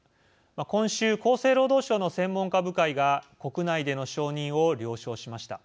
今週厚生労働省の専門家部会が国内での承認を了承しました。